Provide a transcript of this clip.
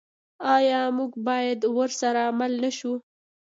آیا موږ باید ورسره مل نشو؟